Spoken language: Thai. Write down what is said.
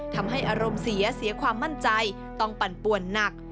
ทำให้อารมณ์เสียเสียความมั่นใจต้องปั่นป่วนหนัก